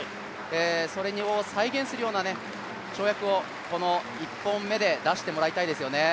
それを再現するような跳躍をこの１本目で出してもらいたいですよね。